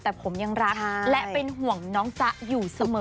แต่ผมยังรักและเป็นห่วงน้องจ๊ะอยู่เสมอ